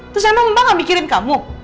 terus emang gak mikirin kamu